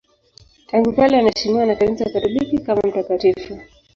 Tangu kale anaheshimiwa na Kanisa Katoliki kama mtakatifu.